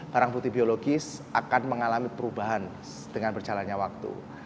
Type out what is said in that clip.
barang putih biologis akan mengalami perubahan dengan berjalannya waktu